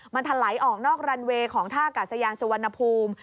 มันถลายออกนอกรันเวย์ของท่ากาศยานสุวรรณภูมิ